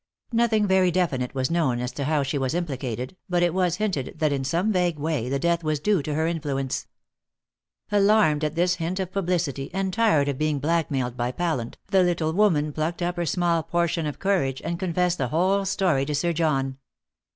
Nothing very definite was known as to how she was implicated, but it was hinted that in some vague way the death was due to her influence. Alarmed at this hint of publicity, and tired of being blackmailed by Pallant, the little woman plucked up her small portion of courage, and confessed the whole story to Sir John.